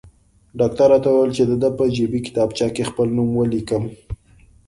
ډاکټر راته وویل چې د ده په جیبي کتابچه کې خپل نوم ولیکم.